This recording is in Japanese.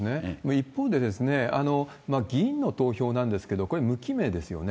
一方で、議員の投票なんですけど、これ、無記名ですよね。